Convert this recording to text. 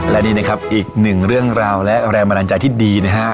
และนี่นะครับอีกหนึ่งเรื่องราวและแรงบันดาลใจที่ดีนะฮะ